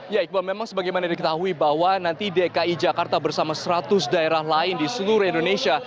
ya iqbal memang sebagaimana diketahui bahwa nanti dki jakarta bersama seratus daerah lain di seluruh indonesia